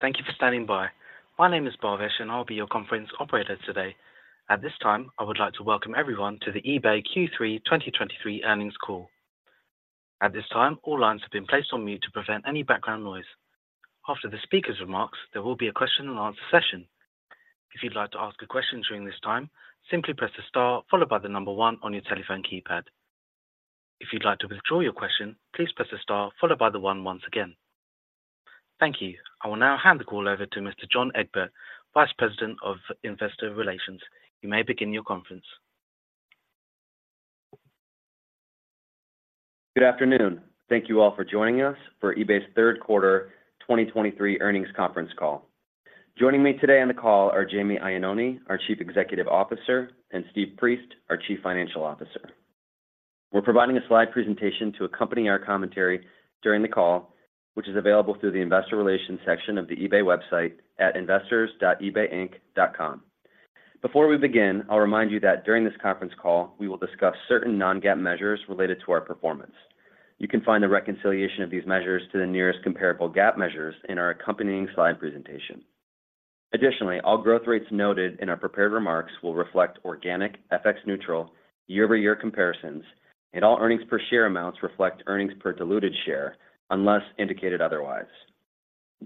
Thank you for standing by. My name is Bharvesh, and I'll be your conference operator today. At this time, I would like to welcome everyone to the eBay Third Quarter 2023 Earnings Call. At this time, all lines have been placed on mute to prevent any background noise. After the speaker's remarks, there will be a question and answer session. If you'd like to ask a question during this time, simply press the star followed by the number one on your telephone keypad. If you'd like to withdraw your question, please press the star followed by the one once again. Thank you. I will now hand the call over to John Egbert, Vice President, Investor Relations. You may begin your conference. Good afternoon. Thank you all for joining us for eBay's third quarter 2023 earnings conference call. Joining me today on the call are Jamie Iannone, our Chief Executive Officer, and Steve Priest, our Chief Financial Officer. We're providing a slide presentation to accompany our commentary during the call, which is available through the Investor Relations section of the eBay website at investors.ebayinc.com. Before we begin, I'll remind you that during this conference call, we will discuss certain Non-GAAP measures related to our performance. You can find the reconciliation of these measures to the nearest comparable GAAP measures in our accompanying slide presentation. Additionally, all growth rates noted in our prepared remarks will reflect organic, FX-neutral, year-over-year comparisons, and all earnings per share amounts reflect earnings per diluted share unless indicated otherwise.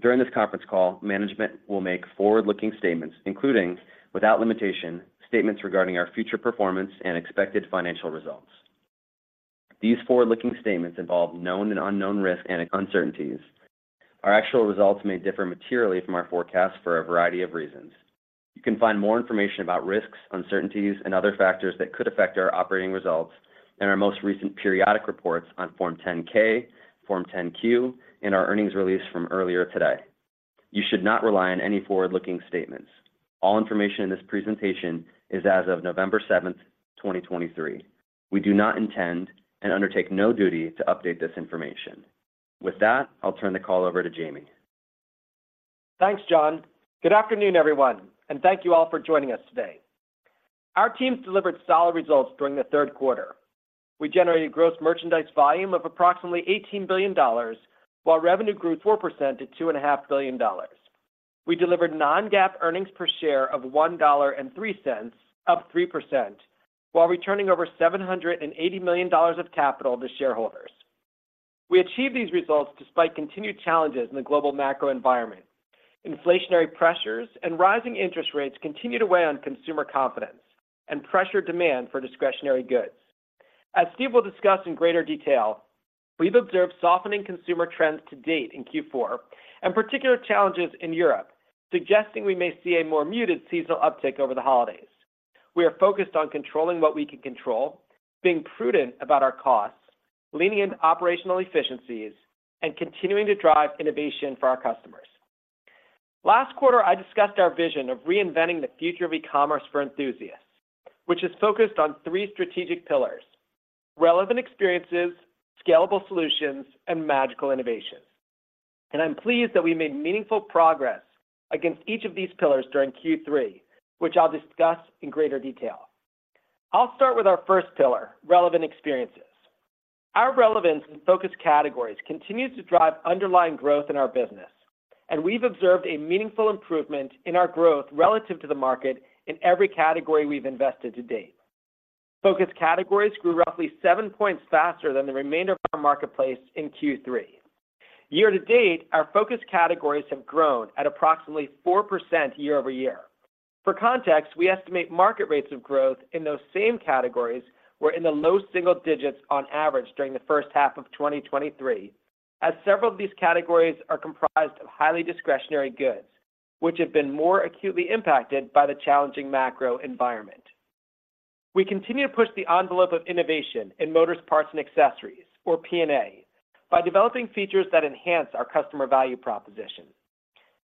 During this conference call, management will make forward-looking statements, including, without limitation, statements regarding our future performance and expected financial results. These forward-looking statements involve known and unknown risks and uncertainties. Our actual results may differ materially from our forecasts for a variety of reasons. You can find more information about risks, uncertainties, and other factors that could affect our operating results in our most recent periodic reports on Form 10-K, Form 10-Q, and our earnings release from earlier today. You should not rely on any forward-looking statements. All information in this presentation is as of November 7, 2023. We do not intend and undertake no duty to update this information. With that, I'll turn the call over to Jamie. Thanks, John. Good afternoon, everyone, and thank you all for joining us today. Our teams delivered solid results during the third quarter. We generated gross merchandise volume of approximately $18 billion, while revenue grew 4% to $2.5 billion. We delivered Non-GAAP earnings per share of $1.03, up 3%, while returning over $780 million of capital to shareholders. We achieved these results despite continued challenges in the global macro environment. Inflationary pressures and rising interest rates continue to weigh on consumer confidence and pressure demand for discretionary goods. As Steve will discuss in greater detail, we've observed softening consumer trends to date in Q4 and particular challenges in Europe, suggesting we may see a more muted seasonal uptick over the holidays. We are focused on controlling what we can control, being prudent about our costs, leaning into operational efficiencies, and continuing to drive innovation for our customers. Last quarter, I discussed our vision of reinventing the future of e-commerce for enthusiasts, which is focused on 3 strategic pillars: relevant experiences, scalable solutions, and magical innovations. I'm pleased that we made meaningful progress against each of these pillars during Q3, which I'll discuss in greater detail. I'll start with our first pillar, relevant experiences. Our relevance in focus categories continues to drive underlying growth in our business, and we've observed a meaningful improvement in our growth relative to the market in every category we've invested to date. Focus categories grew roughly seven points faster than the remainder of our marketplace in Q3. Year to date, our focus categories have grown at approximately 4% year-over-year. For context, we estimate market rates of growth in those same categories were in the low single digits on average during the first half of 2023, as several of these categories are comprised of highly discretionary goods, which have been more acutely impacted by the challenging macro environment. We continue to push the envelope of innovation in Motors Parts and Accessories, or P&A, by developing features that enhance our customer value proposition.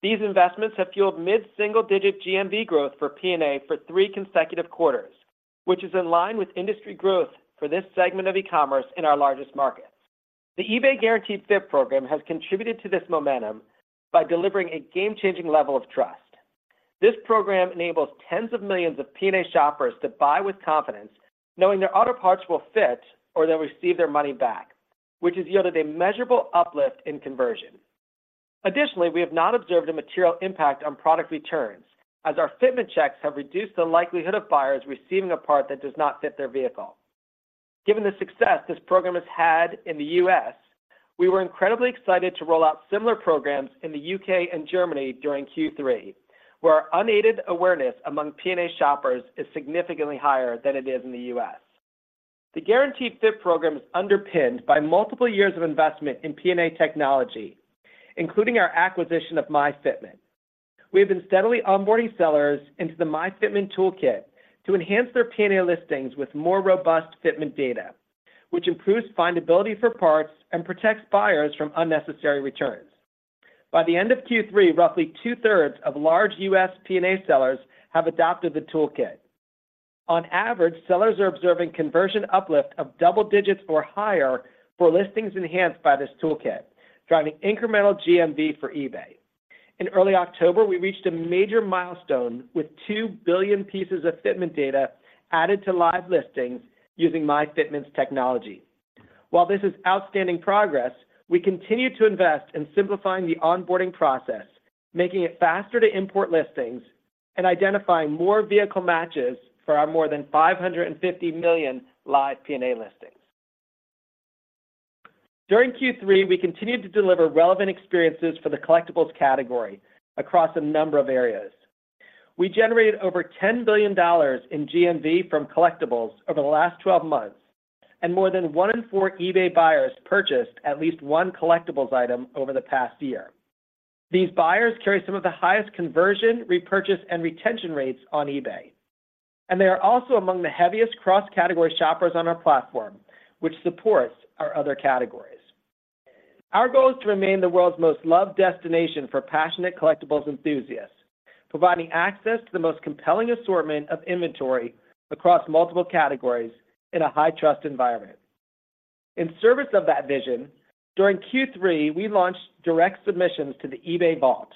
These investments have fueled mid-single-digit GMV growth for P&A for 3 consecutive quarters, which is in line with industry growth for this segment of e-commerce in our largest markets. The eBay Guaranteed Fit program has contributed to this momentum by delivering a game-changing level of trust. This program enables tens of millions of P&A shoppers to buy with confidence, knowing their auto parts will fit or they'll receive their money back, which has yielded a measurable uplift in conversion. Additionally, we have not observed a material impact on product returns, as our fitment checks have reduced the likelihood of buyers receiving a part that does not fit their vehicle. Given the success this program has had in the U.S., we were incredibly excited to roll out similar programs in the U.K. and Germany during Q3, where our unaided awareness among P&A shoppers is significantly higher than it is in the U.S. The Guaranteed Fit program is underpinned by multiple years of investment in P&A technology, including our acquisition of myFitment. We have been steadily onboarding sellers into the myFitment toolkit to enhance their P&A listings with more robust fitment data, which improves findability for parts and protects buyers from unnecessary returns. By the end of Q3, roughly two-thirds of large U.S. P&A sellers have adopted the toolkit. On average, sellers are observing conversion uplift of double digits or higher for listings enhanced by this toolkit, driving incremental GMV for eBay. In early October, we reached a major milestone with 2 billion pieces of fitment data added to live listings using myFitment’s technology. While this is outstanding progress, we continue to invest in simplifying the onboarding process, making it faster to import listings, and identifying more vehicle matches for our more than 550 million live P&A listings. During Q3, we continued to deliver relevant experiences for the collectibles category across a number of areas. We generated over $10 billion in GMV from collectibles over the last 12 months, and more than one in four eBay buyers purchased at least one collectibles item over the past year. These buyers carry some of the highest conversion, repurchase, and retention rates on eBay, and they are also among the heaviest cross-category shoppers on our platform, which supports our other categories. Our goal is to remain the world's most loved destination for passionate collectibles enthusiasts, providing access to the most compelling assortment of inventory across multiple categories in a high-trust environment. In service of that vision, during Q3, we launched direct submissions to the eBay Vault.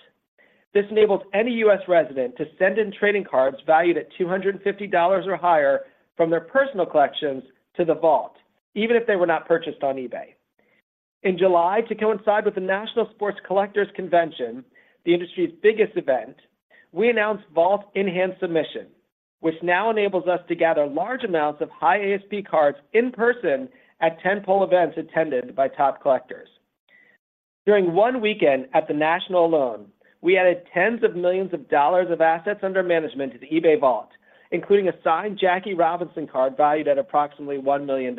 This enables any U.S. resident to send in trading cards valued at $250 or higher from their personal collections to the Vault, even if they were not purchased on eBay. In July, to coincide with the National Sports Collectors Convention, the industry's biggest event, we announced Vault Enhanced Submission, which now enables us to gather large amounts of high ASP cards in person at 10+ events attended by top collectors. During one weekend at the National alone, we added tens of millions of dollars of assets under management to the eBay Vault, including a signed Jackie Robinson card valued at approximately $1 million.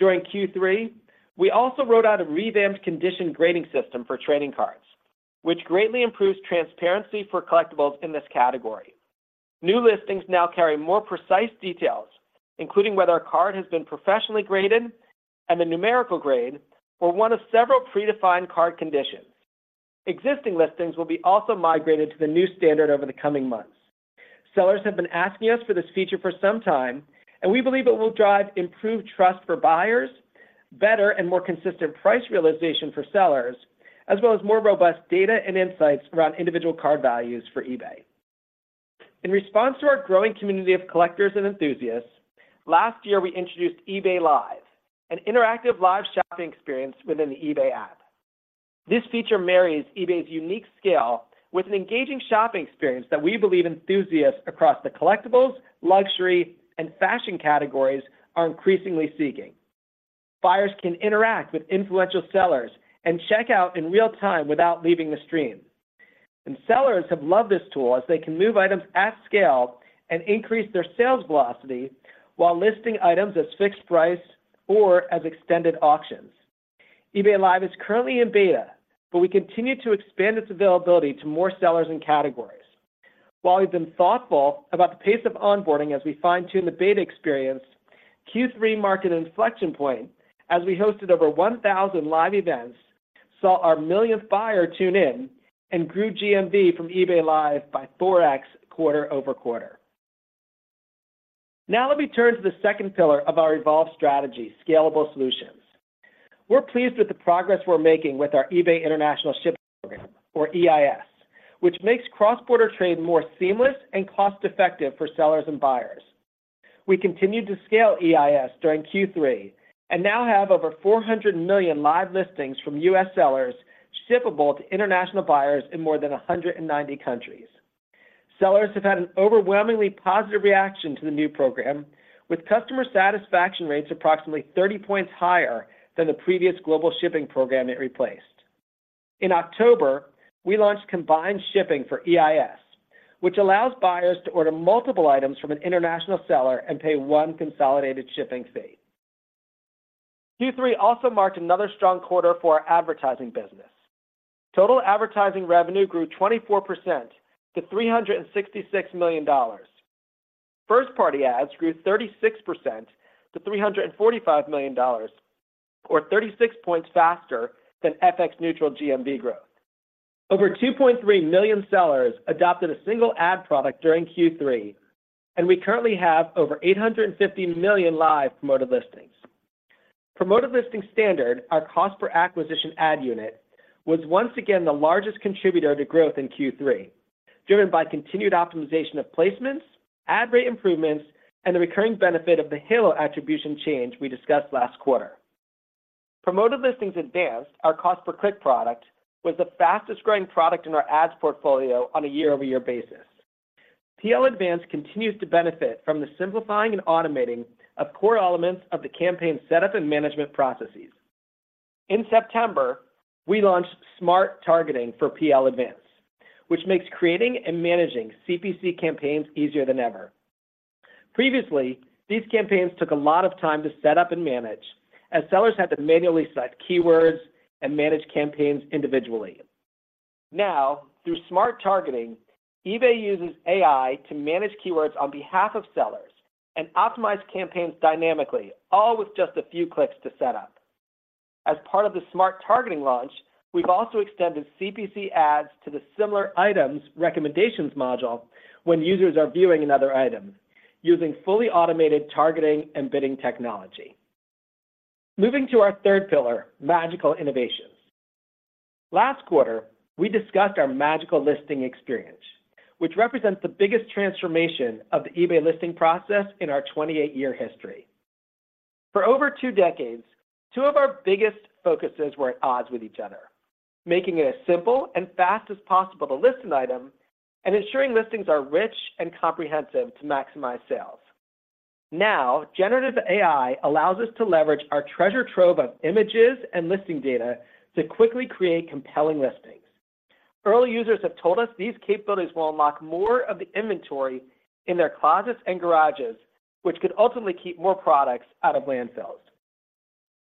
During Q3, we also rolled out a revamped condition grading system for trading cards, which greatly improves transparency for collectibles in this category. New listings now carry more precise details, including whether a card has been professionally graded and the numerical grade for one of several predefined card conditions. Existing listings will also be migrated to the new standard over the coming months. Sellers have been asking us for this feature for some time, and we believe it will drive improved trust for buyers, better and more consistent price realization for sellers, as well as more robust data and insights around individual card values for eBay. In response to our growing community of collectors and enthusiasts, last year, we introduced eBay Live, an interactive live shopping experience within the eBay app. This feature marries eBay's unique scale with an engaging shopping experience that we believe enthusiasts across the collectibles, luxury, and fashion categories are increasingly seeking. Buyers can interact with influential sellers and check out in real time without leaving the stream. Sellers have loved this tool as they can move items at scale and increase their sales velocity while listing items as fixed price or as extended auctions. eBay Live is currently in beta, but we continue to expand its availability to more sellers and categories. While we've been thoughtful about the pace of onboarding as we fine-tune the beta experience, Q3 marked an inflection point as we hosted over 1,000 live events, saw our millionth buyer tune in, and grew GMV from eBay Live by 4× quarter-over-quarter. Now let me turn to the second pillar of our evolved strategy, scalable solutions. We're pleased with the progress we're making with our eBay International Shipping program, or EIS, which makes cross-border trade more seamless and cost-effective for sellers and buyers. We continued to scale EIS during Q3 and now have over 400 million live listings from U.S. sellers shippable to international buyers in more than 190 countries. Sellers have had an overwhelmingly positive reaction to the new program, with customer satisfaction rates approximately 30 points higher than the previous global shipping program it replaced. In October, we launched combined shipping for EIS, which allows buyers to order multiple items from an international seller and pay one consolidated shipping fee. Q3 also marked another strong quarter for our advertising business. Total advertising revenue grew 24% to $366 million. First-party ads grew 36% to $345 million, or 36 points faster than FX-neutral GMV growth. Over 2.3 million sellers adopted a single ad product during Q3, and we currently have over 850 million live promoted listings. Promoted Listings Standard, our cost per acquisition ad unit, was once again the largest contributor to growth in Q3, driven by continued optimization of placements, ad rate improvements, and the recurring benefit of the halo attribution change we discussed last quarter. Promoted Listings Advanced, our cost per click product, was the fastest-growing product in our ads portfolio on a year-over-year basis. PL Advanced continues to benefit from the simplifying and automating of core elements of the campaign setup and management processes. In September, we launched smart targeting for PL Advanced, which makes creating and managing CPC campaigns easier than ever. Previously, these campaigns took a lot of time to set up and manage, as sellers had to manually select keywords and manage campaigns individually. Now, through smart targeting, eBay uses AI to manage keywords on behalf of sellers and optimize campaigns dynamically, all with just a few clicks to set up. As part of the smart targeting launch, we've also extended CPC ads to the similar items recommendations module when users are viewing another item, using fully automated targeting and bidding technology. Moving to our third pillar, magical innovation. Last quarter, we discussed our magical listing experience, which represents the biggest transformation of the eBay listing process in our 28-year history. For over two decades, two of our biggest focuses were at odds with each other, making it as simple and fast as possible to list an item and ensuring listings are rich and comprehensive to maximize sales. Now, generative AI allows us to leverage our treasure trove of images and listing data to quickly create compelling listings. Early users have told us these capabilities will unlock more of the inventory in their closets and garages, which could ultimately keep more products out of landfills.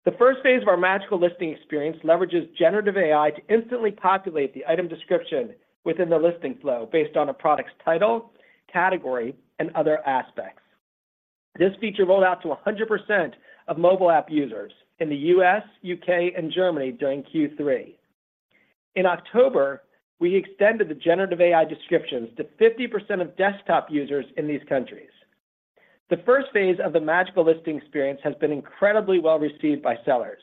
The first phase of our magical listing experience leverages generative AI to instantly populate the item description within the listing flow based on a product's title, category, and other aspects. This feature rolled out to 100% of mobile app users in the U.S., U.K., and Germany during Q3. In October, we extended the generative AI descriptions to 50% of desktop users in these countries. The first phase of the magical listing experience has been incredibly well-received by sellers,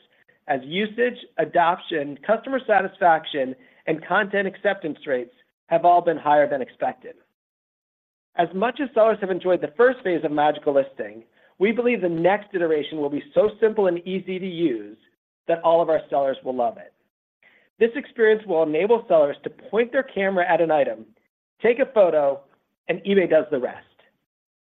as usage, adoption, customer satisfaction, and content acceptance rates have all been higher than expected. As much as sellers have enjoyed the first phase of magical listing, we believe the next iteration will be so simple and easy to use that all of our sellers will love it. This experience will enable sellers to point their camera at an item, take a photo, and eBay does the rest.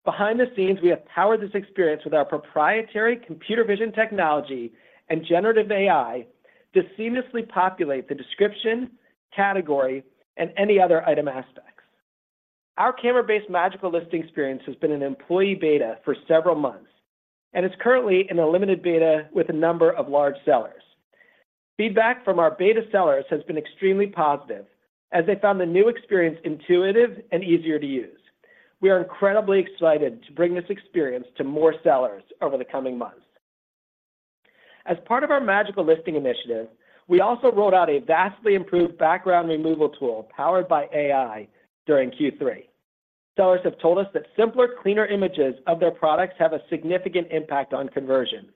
Behind the scenes, we have powered this experience with our proprietary computer vision technology and generative AI to seamlessly populate the description, category, and any other item aspects. Our camera-based magical listing experience has been in employee beta for several months and is currently in a limited beta with a number of large sellers. Feedback from our beta sellers has been extremely positive, as they found the new experience intuitive and easier to use. We are incredibly excited to bring this experience to more sellers over the coming months. As part of our magical listing initiative, we also rolled out a vastly improved background removal tool powered by AI during Q3. Sellers have told us that simpler, cleaner images of their products have a significant impact on conversion.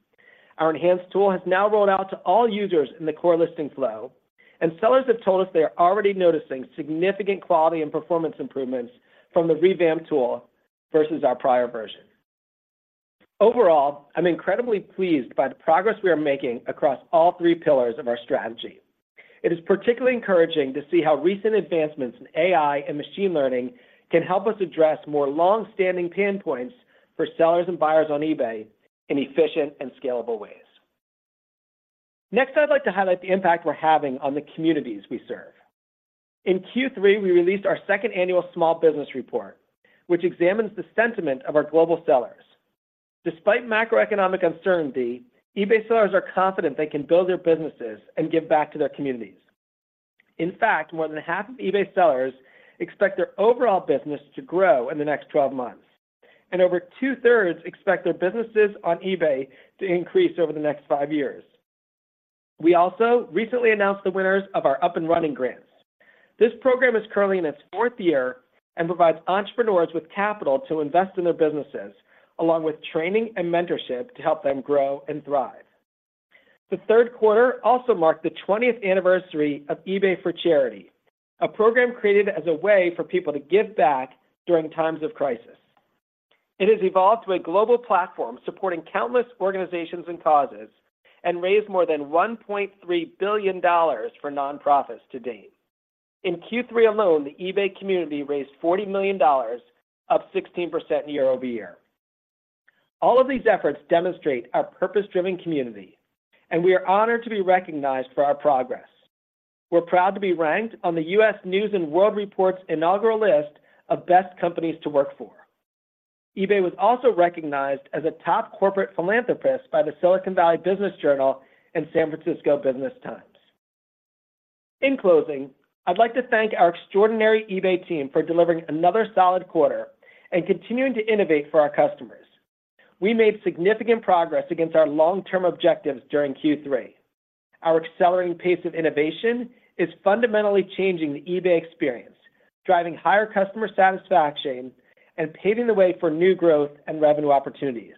Our enhanced tool has now rolled out to all users in the core listing flow, and sellers have told us they are already noticing significant quality and performance improvements from the revamped tool versus our prior version. Overall, I'm incredibly pleased by the progress we are making across all three pillars of our strategy. It is particularly encouraging to see how recent advancements in AI and machine learning can help us address more long-standing pain points for sellers and buyers on eBay in efficient and scalable ways. Next, I'd like to highlight the impact we're having on the communities we serve. In Q3, we released our second annual small business report, which examines the sentiment of our global sellers. Despite macroeconomic uncertainty, eBay sellers are confident they can build their businesses and give back to their communities. In fact, more than half of eBay sellers expect their overall business to grow in the next 12 months, and over two-thirds expect their businesses on eBay to increase over the next 5 years. We also recently announced the winners of our Up and Running Grants. This program is currently in its fourth year and provides entrepreneurs with capital to invest in their businesses, along with training and mentorship to help them grow and thrive. The third quarter also marked the twentieth anniversary of eBay for Charity, a program created as a way for people to give back during times of crisis. It has evolved to a global platform supporting countless organizations and causes and raised more than $1.3 billion for nonprofits to date. In Q3 alone, the eBay community raised $40 million, up 16% year-over-year. All of these efforts demonstrate our purpose-driven community, and we are honored to be recognized for our progress. We're proud to be ranked on the U.S. News & World Report's inaugural list of best companies to work for. eBay was also recognized as a top corporate philanthropist by the Silicon Valley Business Journal and San Francisco Business Times. In closing, I'd like to thank our extraordinary eBay team for delivering another solid quarter and continuing to innovate for our customers. We made significant progress against our long-term objectives during Q3. Our accelerating pace of innovation is fundamentally changing the eBay experience, driving higher customer satisfaction, and paving the way for new growth and revenue opportunities.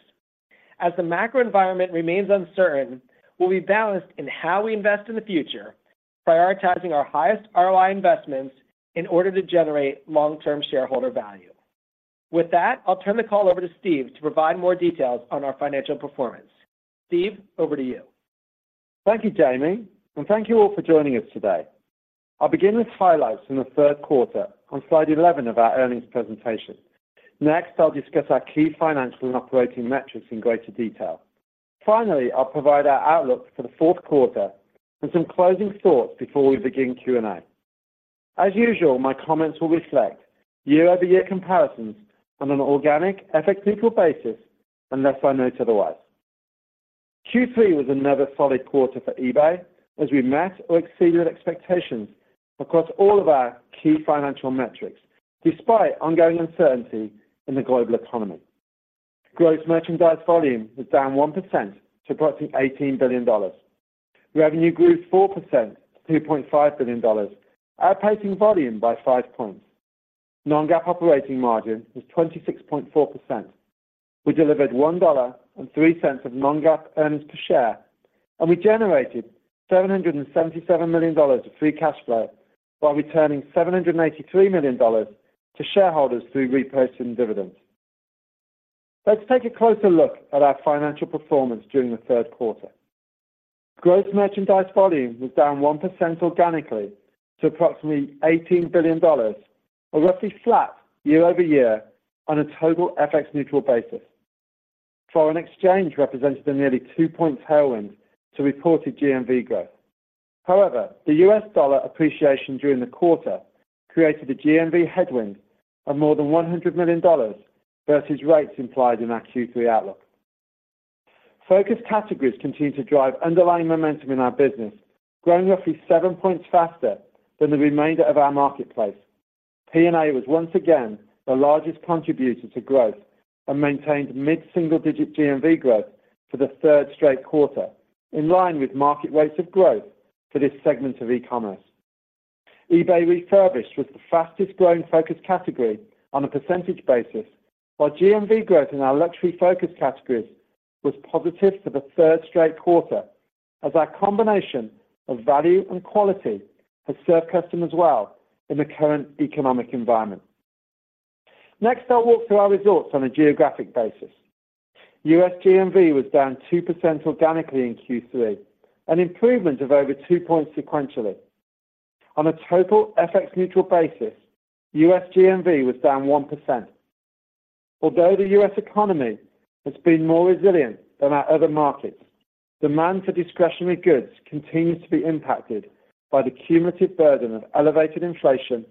As the macro environment remains uncertain, we'll be balanced in how we invest in the future, prioritizing our highest ROI investments in order to generate long-term shareholder value. With that, I'll turn the call over to Steve to provide more details on our financial performance. Steve, over to you. Thank you, Jamie, and thank you all for joining us today. I'll begin with highlights in the third quarter on slide 11 of our earnings presentation. Next, I'll discuss our key financial and operating metrics in greater detail. Finally, I'll provide our outlook for the fourth quarter and some closing thoughts before we begin Q&A. As usual, my comments will reflect year-over-year comparisons on an organic FX-neutral basis, unless I note otherwise. Q3 was another solid quarter for eBay, as we met or exceeded expectations across all of our key financial metrics, despite ongoing uncertainty in the global economy. Gross merchandise volume was down 1% to approximately $18 billion. Revenue grew 4% to $2.5 billion, outpacing volume by five points.... Non-GAAP operating margin was 26.4%. We delivered $1.03 of Non-GAAP earnings per share, and we generated $777 million of free cash flow, while returning $783 million to shareholders through repurchase and dividends. Let's take a closer look at our financial performance during the third quarter. Gross merchandise volume was down 1% organically to approximately $18 billion, or roughly flat year-over-year on a total FX-neutral basis. Foreign exchange represented a nearly 2-point tailwind to reported GMV growth. However, the U.S. dollar appreciation during the quarter created a GMV headwind of more than $100 million versus rates implied in our Q3 outlook. Focus categories continue to drive underlying momentum in our business, growing roughly 7 points faster than the remainder of our marketplace. P&A was once again the largest contributor to growth and maintained mid-single-digit GMV growth for the third straight quarter, in line with market rates of growth for this segment of e-commerce. eBay Refurbished was the fastest-growing focus category on a percentage basis, while GMV growth in our luxury focus categories was positive for the third straight quarter, as our combination of value and quality has served customers well in the current economic environment. Next, I'll walk through our results on a geographic basis. U.S. GMV was down 2% organically in Q3, an improvement of over 2 points sequentially. On a total FX-neutral basis, U.S. GMV was down 1%. Although the U.S. economy has been more resilient than our other markets, demand for discretionary goods continues to be impacted by the cumulative burden of elevated inflation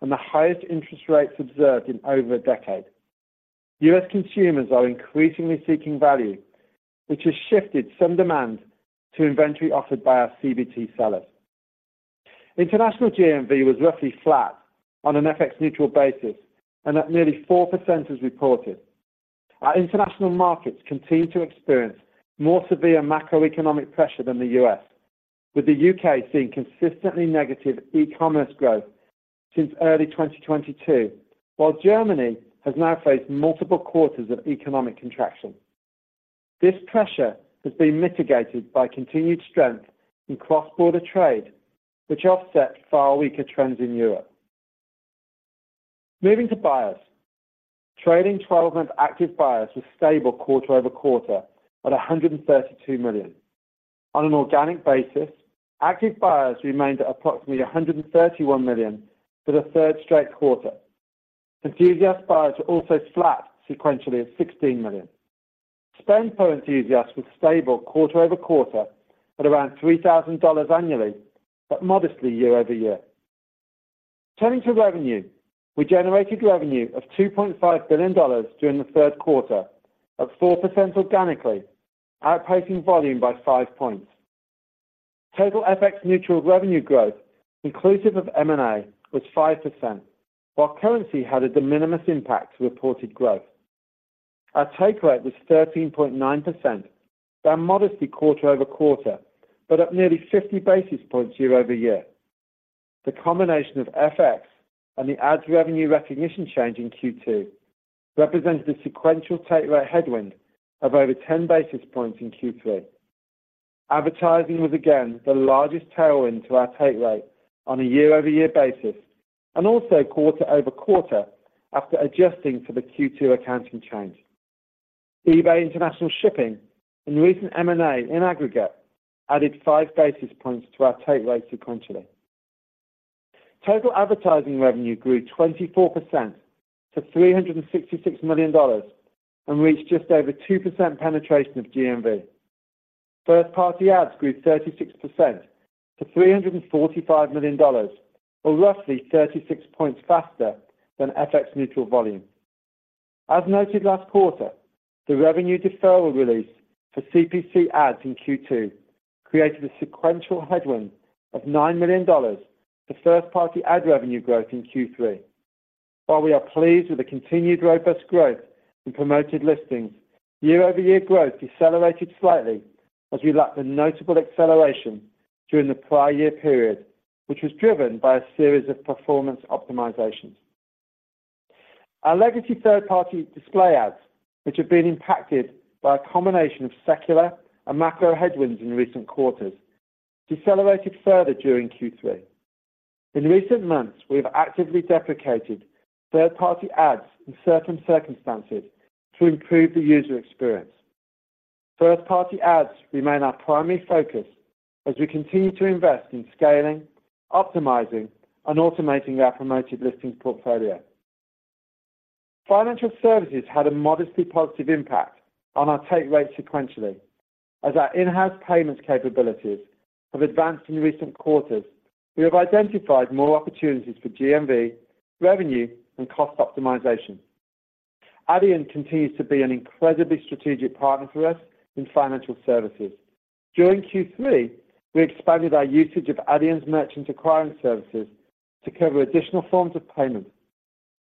and the highest interest rates observed in over a decade. U.S. consumers are increasingly seeking value, which has shifted some demand to inventory offered by our CBT sellers. International GMV was roughly flat on an FX-neutral basis, and at nearly 4% as reported. Our international markets continue to experience more severe macroeconomic pressure than the U.S., with the U.K. seeing consistently negative e-commerce growth since early 2022, while Germany has now faced multiple quarters of economic contraction. This pressure has been mitigated by continued strength in cross-border trade, which offset far weaker trends in Europe. Moving to buyers. Trailing twelve-month active buyers was stable quarter-over-quarter at 132 million. On an organic basis, active buyers remained at approximately 131 million for the third straight quarter. Enthusiast buyers were also flat sequentially at 16 million. Spend per enthusiast was stable quarter-over-quarter at around $3,000 annually, but modestly year-over-year. Turning to revenue, we generated revenue of $2.5 billion during the third quarter, up 4% organically, outpacing volume by 5 points. Total FX-neutral revenue growth, inclusive of M&A, was 5%, while currency had a de minimis impact to reported growth. Our take rate was 13.9%, down modestly quarter-over-quarter, but up nearly 50 basis points year-over-year. The combination of FX and the ads revenue recognition change in Q2 represented a sequential take rate headwind of over 10 basis points in Q3. Advertising was again the largest tailwind to our take rate on a year-over-year basis, and also quarter-over-quarter after adjusting for the Q2 accounting change. eBay International Shipping and recent M&A in aggregate added 5 basis points to our take rate sequentially. Total advertising revenue grew 24% to $366 million and reached just over 2% penetration of GMV. First-party ads grew 36% to $345 million, or roughly 36 points faster than FX-neutral volume. As noted last quarter, the revenue deferral release for CPC ads in Q2 created a sequential headwind of $9 million to first-party ad revenue growth in Q3. While we are pleased with the continued robust growth in promoted listings, year-over-year growth decelerated slightly as we lacked the notable acceleration during the prior year period, which was driven by a series of performance optimizations. Our legacy third-party display ads, which have been impacted by a combination of secular and macro headwinds in recent quarters, decelerated further during Q3. In recent months, we have actively deprecated third-party ads in certain circumstances to improve the user experience. First-party ads remain our primary focus as we continue to invest in scaling, optimizing, and automating our promoted listings portfolio. Financial services had a modestly positive impact on our take rate sequentially. As our in-house payments capabilities have advanced in recent quarters, we have identified more opportunities for GMV, revenue, and cost optimization. Adyen continues to be an incredibly strategic partner for us in financial services. During Q3, we expanded our usage of Adyen's merchant acquiring services to cover additional forms of payment.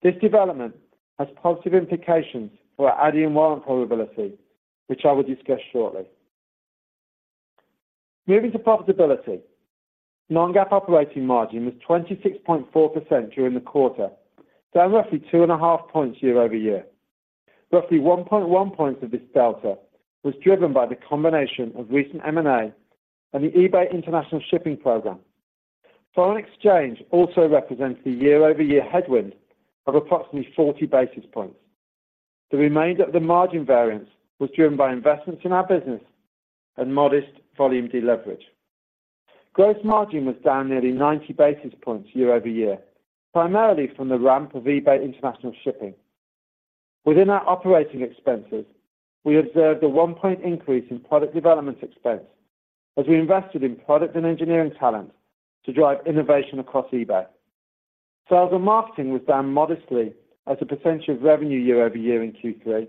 This development has positive implications for our Adyen warrant probability, which I will discuss shortly. Moving to profitability. Non-GAAP operating margin was 26.4% during the quarter, down roughly 2.5 points year-over-year. Roughly 1.1 points of this delta was driven by the combination of recent M&A and the eBay International Shipping Program. Foreign exchange also represents the year-over-year headwind of approximately 40 basis points. The remainder of the margin variance was driven by investments in our business and modest volume deleverage. Gross margin was down nearly 90 basis points year-over-year, primarily from the ramp of eBay International Shipping. Within our operating expenses, we observed a one-point increase in product development expense as we invested in product and engineering talent to drive innovation across eBay. Sales and marketing was down modestly as a percentage of revenue year-over-year in Q3,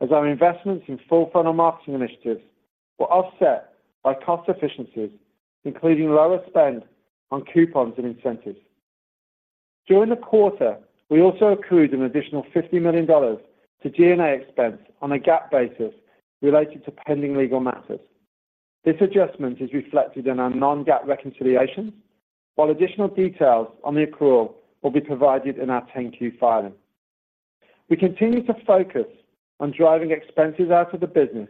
as our investments in full-funnel marketing initiatives were offset by cost efficiencies, including lower spend on coupons and incentives. During the quarter, we also accrued an additional $50 million to G&A expense on a GAAP basis related to pending legal matters. This adjustment is reflected in our Non-GAAP reconciliation, while additional details on the accrual will be provided in our 10-Q filing. We continue to focus on driving expenses out of the business,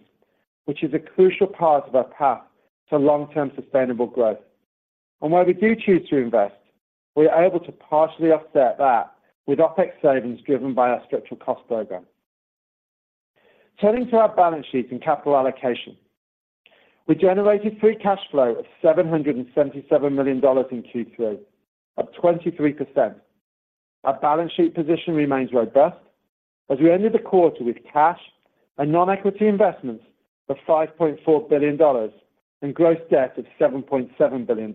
which is a crucial part of our path to long-term sustainable growth. Where we do choose to invest, we are able to partially offset that with OpEx savings driven by our structural cost program. Turning to our balance sheet and capital allocation. We generated free cash flow of $777 million in Q3, up 23%. Our balance sheet position remains robust as we ended the quarter with cash and non-equity investments of $5.4 billion, and gross debt of $7.7 billion.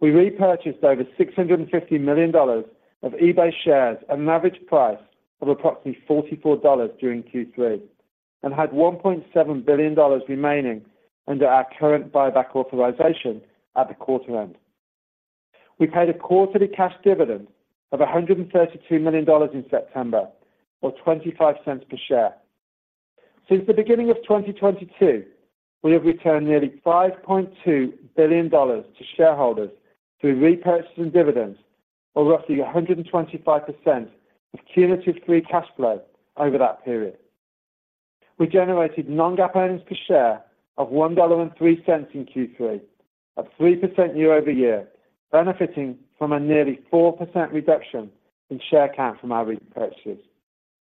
We repurchased over $650 million of eBay shares, an average price of approximately $44 during Q3, and had $1.7 billion remaining under our current buyback authorization at quarter-end. We paid a quarterly cash dividend of $132 million in September, or $0.25 per share. Since the beginning of 2022, we have returned nearly $5.2 billion to shareholders through repurchases and dividends, or roughly 125% of cumulative free cash flow over that period. We generated Non-GAAP earnings per share of $1.03 in Q3, up 3% year-over-year, benefiting from a nearly 4% reduction in share count from our repurchases.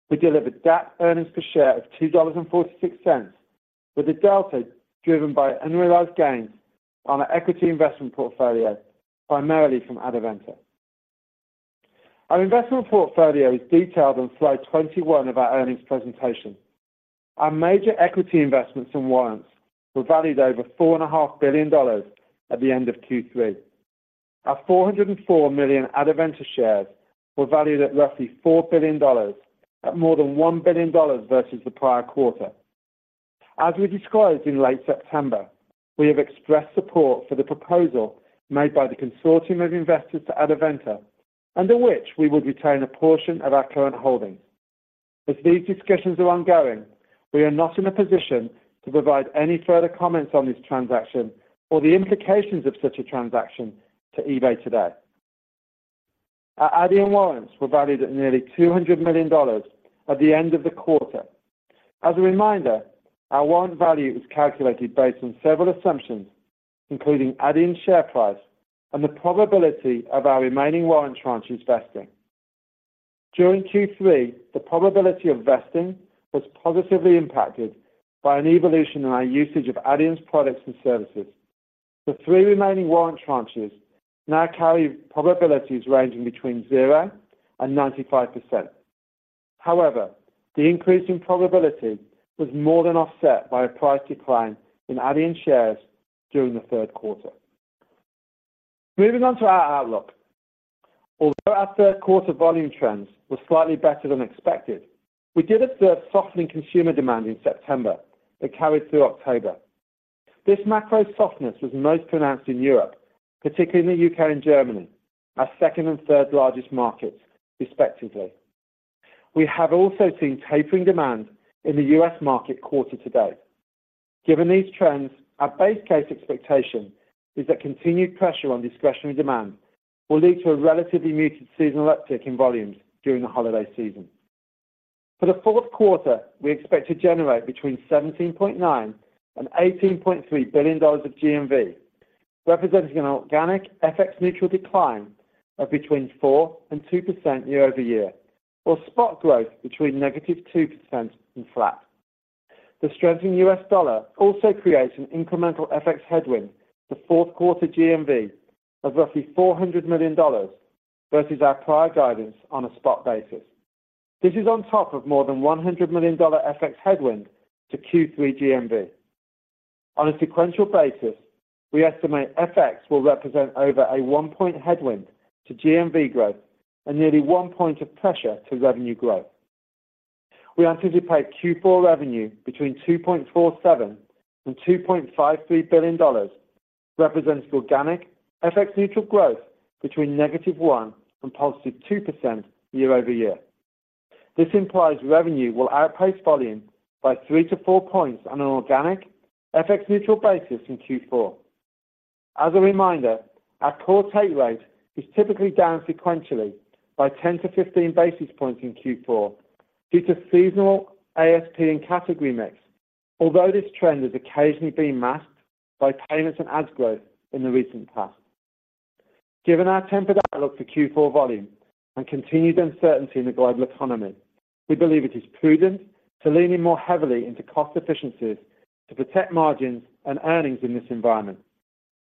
We delivered GAAP earnings per share of $2.46, with a delta driven by unrealized gains on our equity investment portfolio, primarily from Adyen. Our investment portfolio is detailed on slide 21 of our earnings presentation. Our major equity investments in warrants were valued over $4.5 billion at the end of Q3. Our 40.4 million Adyen shares were valued at roughly $4 billion, at more than $1 billion versus the prior quarter. As we disclosed in late September, we have expressed support for the proposal made by the consortium of investors to Adyen, under which we will retain a portion of our current holdings. As these discussions are ongoing, we are not in a position to provide any further comments on this transaction or the implications of such a transaction to eBay today. Our Adyen warrants were valued at nearly $200 million at the end of the quarter. As a reminder, our warrant value is calculated based on several assumptions, including Adyen's share price and the probability of our remaining warrant tranches vesting. During Q3, the probability of vesting was positively impacted by an evolution in our usage of Adyen's products and services. The three remaining warrant tranches now carry probabilities ranging between 0% and 95%. However, the increase in probability was more than offset by a price decline in Adyen shares during the third quarter. Moving on to our outlook. Although our third quarter volume trends were slightly better than expected, we did observe softening consumer demand in September that carried through October. This macro softness was most pronounced in Europe, particularly in the U.K. and Germany, our second and third largest markets, respectively. We have also seen tapering demand in the U.S. market quarter to date. Given these trends, our base case expectation is that continued pressure on discretionary demand will lead to a relatively muted seasonal uptick in volumes during the holiday season. For the fourth quarter, we expect to generate between $17.9 billion and $18.3 billion of GMV, representing an organic FX-neutral decline of between -4% and -2% year-over-year, or spot growth between -2% and flat. The strengthening U.S. dollar also creates an incremental FX headwind to fourth quarter GMV of roughly $400 million versus our prior guidance on a spot basis. This is on top of more than $100 million FX headwind to Q3 GMV. On a sequential basis, we estimate FX will represent over a 1-point headwind to GMV growth and nearly 1 point of pressure to revenue growth. We anticipate Q4 revenue between $2.47 billion and $2.53 billion, representing organic FX-neutral growth between -1% and +2% year-over-year. This implies revenue will outpace volume by 3-4 points on an organic FX-neutral basis in Q4. As a reminder, our core take rate is typically down sequentially by 10-15 basis points in Q4 due to seasonal ASP and category mix. Although this trend has occasionally been masked by payments and ads growth in the recent past. Given our tempered outlook for Q4 volume and continued uncertainty in the global economy, we believe it is prudent to lean in more heavily into cost efficiencies to protect margins and earnings in this environment.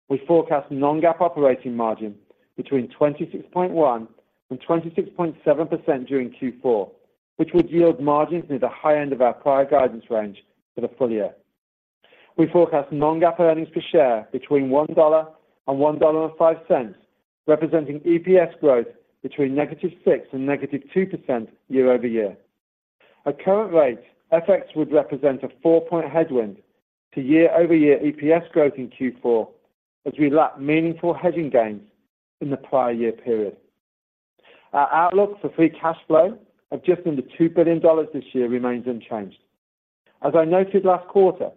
We forecast Non-GAAP operating margin between 26.1% and 26.7% during Q4, which would yield margins near the high end of our prior guidance range for the full year. We forecast Non-GAAP earnings per share between $1 and $1.05, representing EPS growth between -6% and -2% year-over-year. At current rates, FX would represent a four-point headwind to year-over-year EPS growth in Q4, as we lack meaningful hedging gains in the prior year period. Our outlook for free cash flow of just under $2 billion this year remains unchanged. As I noted last quarter,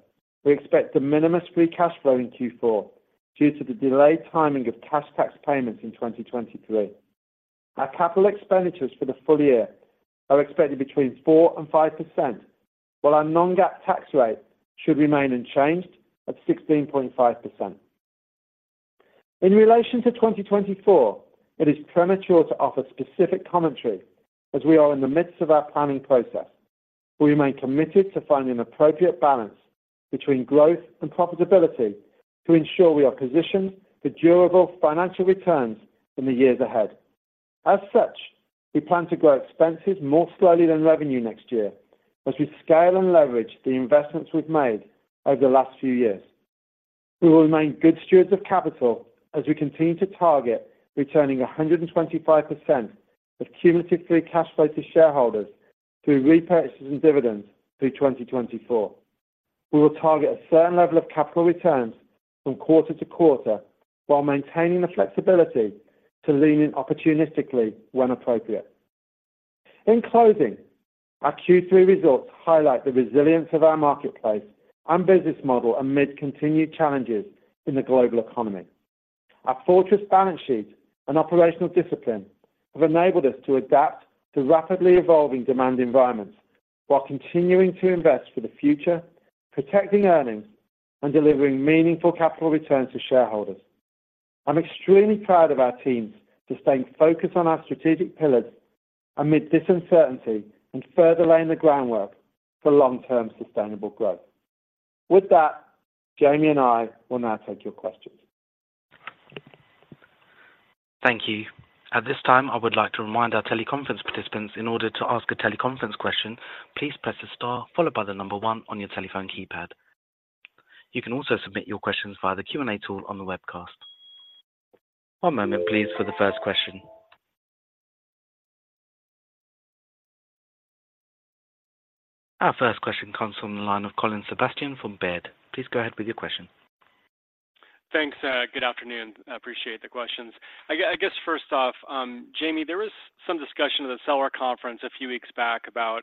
we expect to minimize free cash flow in Q4 due to the delayed timing of cash tax payments in 2023. Our capital expenditures for the full year are expected between 4% and 5%, while our Non-GAAP tax rate should remain unchanged at 16.5%. In relation to 2024, it is premature to offer specific commentary as we are in the midst of our planning process. We remain committed to finding an appropriate balance between growth and profitability to ensure we are positioned for durable financial returns in the years ahead. As such, we plan to grow expenses more slowly than revenue next year as we scale and leverage the investments we've made over the last few years. We will remain good stewards of capital as we continue to target returning 125% of cumulative free cash flow to shareholders through repurchases and dividends through 2024. We will target a certain level of capital returns from quarter to quarter, while maintaining the flexibility to lean in opportunistically when appropriate. In closing, our Q3 results highlight the resilience of our marketplace and business model amid continued challenges in the global economy. Our fortress balance sheet and operational discipline have enabled us to adapt to rapidly evolving demand environments while continuing to invest for the future, protecting earnings, and delivering meaningful capital returns to shareholders. I'm extremely proud of our teams for staying focused on our strategic pillars amid this uncertainty and further laying the groundwork for long-term sustainable growth. With that, Jamie and I will now take your questions. Thank you. At this time, I would like to remind our teleconference participants, in order to ask a teleconference question, please press the star followed by the number one on your telephone keypad. You can also submit your questions via the Q&A tool on the webcast. One moment, please, for the first question. Our first question comes from the line of Colin Sebastian from Baird. Please go ahead with your question. Thanks. Good afternoon. I appreciate the questions. I guess first off, Jamie, there was some discussion at the seller conference a few weeks back about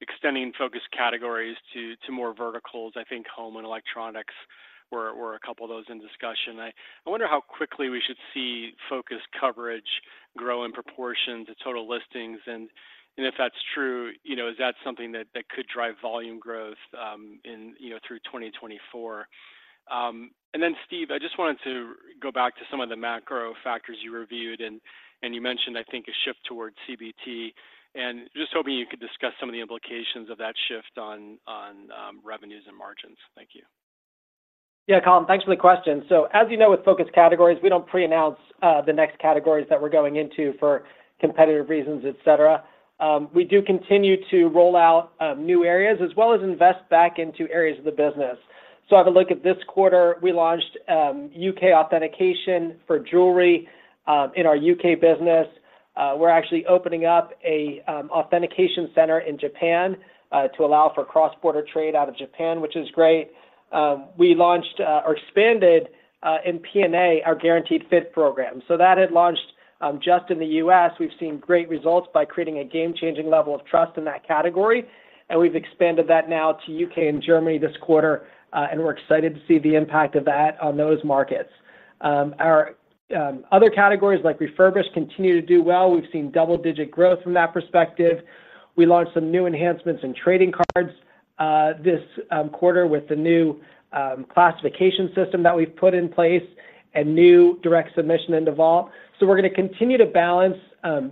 extending focus categories to more verticals. I think home and electronics were a couple of those in discussion. I wonder how quickly we should see focus coverage grow in proportion to total listings, and if that's true, you know, is that something that could drive volume growth, you know, through 2024? And then Steve, I just wanted to go back to some of the macro factors you reviewed, and you mentioned, I think, a shift towards CBT, and just hoping you could discuss some of the implications of that shift on revenues and margins. Thank you. Yeah, Colin, thanks for the question. So as you know, with Focus Categories, we don't preannounce the next categories that we're going into for competitive reasons, et cetera. We do continue to roll out new areas as well as invest back into areas of the business. So have a look at this quarter, we launched U.K. authentication for jewelry in our U.K. business. We're actually opening up an authentication center in Japan to allow for cross-border trade out of Japan, which is great. We launched or expanded in P&A, our Guaranteed Fit program. So that had launched just in the U.S. We've seen great results by creating a game-changing level of trust in that category, and we've expanded that now to U.K. and Germany this quarter, and we're excited to see the impact of that on those markets. Our other categories, like refurbished, continue to do well. We've seen double-digit growth from that perspective. We launched some new enhancements in trading cards, this quarter with the new classification system that we've put in place and new direct submission into the Vault. So we're gonna continue to balance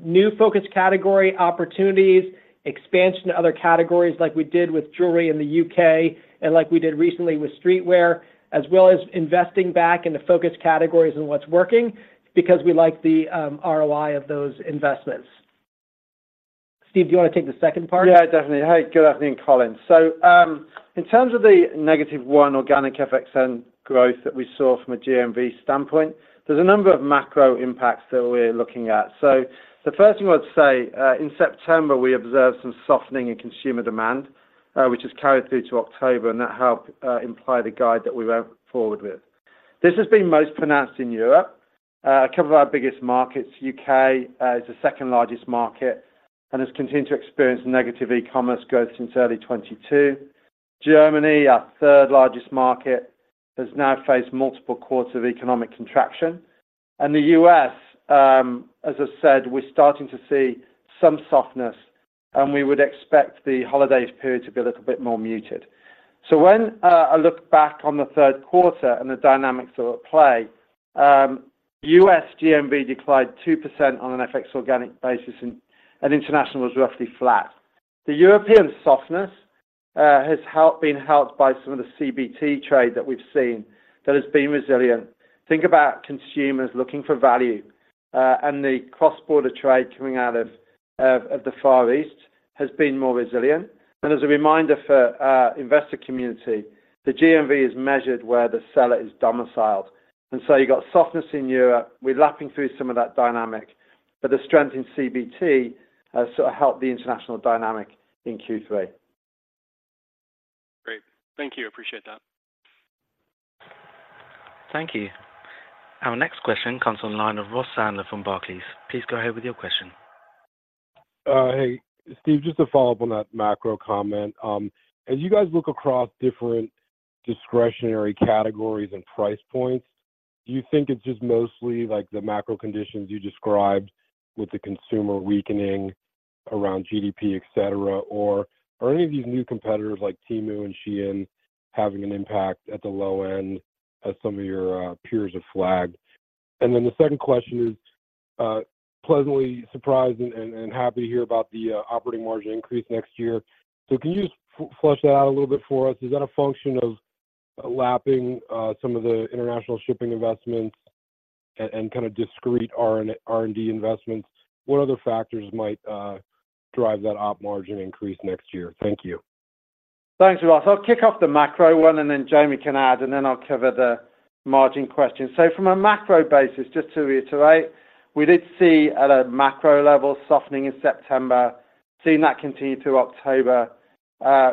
new focus category opportunities, expansion to other categories, like we did with jewelry in the U.K. and like we did recently with streetwear, as well as investing back into focus categories and what's working because we like the ROI of those investments. Steve, do you want to take the second part? Yeah, definitely. Hey, good afternoon, Colin. So, in terms of the growth -1% organic FX growth that we saw from a GMV standpoint, there's a number of macro impacts that we're looking at. So the first thing I would say, in September, we observed some softening in consumer demand, which has carried through to October, and that helped imply the guide that we went forward with.... This has been most pronounced in Europe. A couple of our biggest markets, the U.K. is the second-largest market and has continued to experience negative e-commerce growth since early 2022. Germany, our third largest market, has now faced multiple quarters of economic contraction. And the U.S., as I said, we're starting to see some softness, and we would expect the holiday period to be a little bit more muted. So when I look back on the third quarter and the dynamics that are at play, U.S. GMV declined 2% on an FX organic basis, and international was roughly flat. The European softness has been helped by some of the CBT trade that we've seen that has been resilient. Think about consumers looking for value, and the cross-border trade coming out of the Far East has been more resilient. And as a reminder for our investor community, the GMV is measured where the seller is domiciled. And so you got softness in Europe. We're lapping through some of that dynamic, but the strength in CBT has sort of helped the international dynamic in Q3. Great. Thank you. Appreciate that. Thank you. Our next question comes on the line of Ross Sandler from Barclays. Please go ahead with your question. Hey, Steve, just to follow up on that macro comment. As you guys look across different discretionary categories and price points, do you think it's just mostly like the macro conditions you described with the consumer weakening around GDP, et cetera? Or are any of these new competitors, like Temu and SHEIN, having an impact at the low end as some of your peers have flagged? Then the second question is, pleasantly surprised and happy to hear about the operating margin increase next year. So can you just flesh that out a little bit for us? Is that a function of lapping some of the international shipping investments and kind of discrete R&D investments? What other factors might drive that op margin increase next year? Thank you. Thanks, Ross. I'll kick off the macro one, and then Jamie can add, and then I'll cover the margin question. So from a macro basis, just to reiterate, we did see at a macro level, softening in September, seeing that continue through October.